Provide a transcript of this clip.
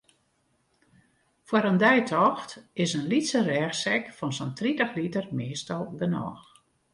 Foar in deitocht is in lytse rêchsek fan sa'n tritich liter meastal genôch.